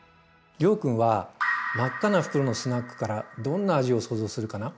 諒君は真っ赤な袋のスナックからどんな味を想像するかな？